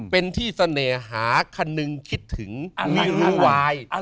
เป็นที่เสน่หาคนนึงคิดถึงไม่รู้วาย